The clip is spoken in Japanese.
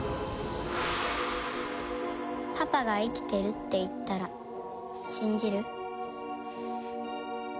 パパが生きてるって言ったら信じる？